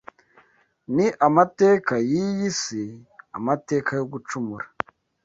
Ni amateka y’iyi si; amateka yo gucumura